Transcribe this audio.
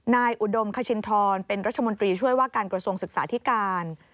อุดมคชินทรเป็นรัฐมนตรีช่วยว่าการกระทรวงศึกษาธิการ